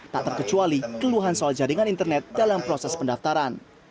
tak terkecuali keluhan soal jaringan internet dalam proses pendaftaran